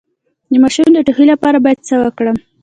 د ماشوم د ټوخي لپاره باید څه وکړم؟